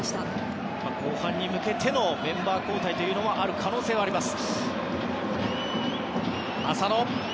後半に向けてのメンバー交代がある可能性があります。